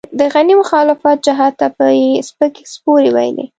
د غني مخالف جهت ته به يې سپکې سپورې ويلې.